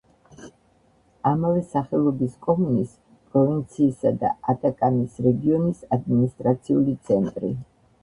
ამავე სახელობის კომუნის, პროვინციისა და ატაკამის რეგიონის ადმინისტრაციული ცენტრი.